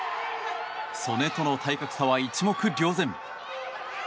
素根との体格差は一目瞭然。